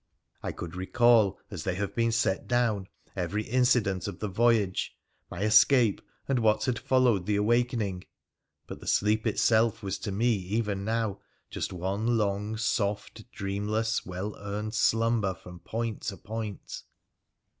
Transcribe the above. I could recall as they have been set down every incident of the voyage, my escape, and what had followed the awakening : but the sleep itself was to me even now just one long, soft, dreamless, well earned slumber from point to point.